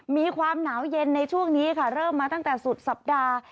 มีความหนาวเย็นในช่วงนี้ค่ะเริ่มมาตั้งแต่สุดสัปดาห์